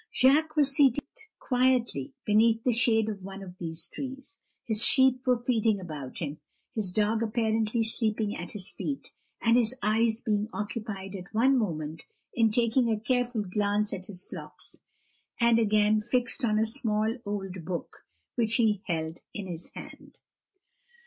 Jacques was seated quietly beneath the shade of one of these trees; his sheep were feeding about him, his dog apparently sleeping at his feet, and his eyes being occupied at one moment in taking a careful glance at his flocks, and again fixed on a small old book which he held in his hand.